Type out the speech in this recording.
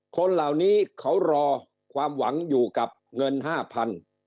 คนเหล่านี้เขารอความหวังอยู่กับเงิน๕๐๐บาท